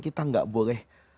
kita gak boleh